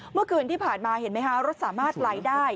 เมื่อคืนที่ผ่านมาเห็นไหมคะรถสามารถไหลได้